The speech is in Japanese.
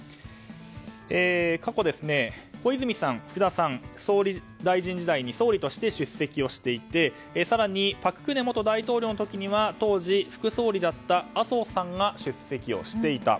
過去、小泉さん、福田さん総理大臣時代に総理として出席していて更に、朴槿惠元大統領の時には当時、副総理だった麻生さんが出席をしていた。